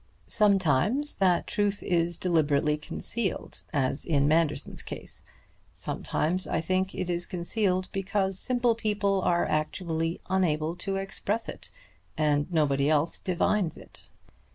Sometimes that truth is deliberately concealed, as in Manderson's case. Sometimes, I think, it is concealed because simple people are actually unable to express it, and nobody else divines it."